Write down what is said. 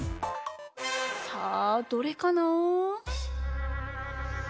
さあどれかな？